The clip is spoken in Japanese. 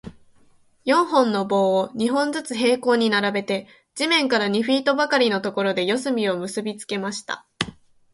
四本の棒を、二本ずつ平行に並べて、地面から二フィートばかりのところで、四隅を結びつけました。